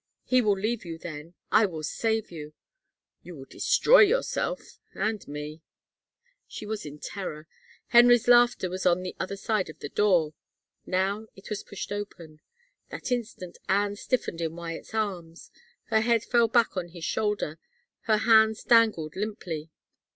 He will leave you then. ... I will save you —"" You will destroy yourself — and me !" She was in terror. Henry's laughter was on the other side of the door. Now it was pushed open. That instant Anne stiifened in Wyatt's arms. Her head fell back on his shoulder, her hands dangled limply.